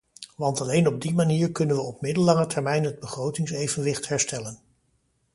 Want alleen op die manier kunnen we op middellange termijn het begrotingsevenwicht herstellen.